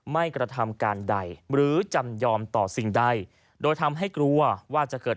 กระทำการใดหรือจำยอมต่อสิ่งใดโดยทำให้กลัวว่าจะเกิด